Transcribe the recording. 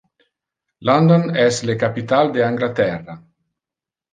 London es le capital de Anglaterra.